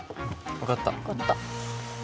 分かった。